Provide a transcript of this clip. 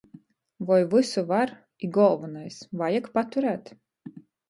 Voi vysu var i, golvonais, vajag paturēt?